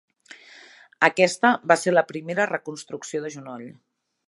Aquesta va ser la seva primera reconstrucció de genoll.